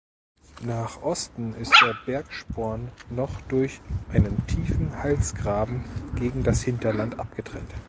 Nach Osten ist der Bergsporn noch durch einen tiefen Halsgraben gegen das Hinterland abgetrennt.